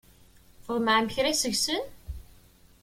Tḍemɛem kra seg-sen?